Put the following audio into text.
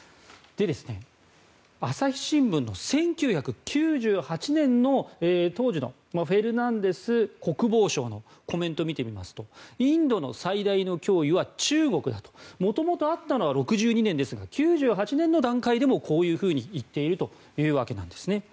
で、朝日新聞の１９９８年の当時のフェルナンデス国防相のコメントを見てみますとインドの最大の脅威は中国だと。元々あったのは６２年ですが９８年の段階でもこういうふうに言っているというわけです。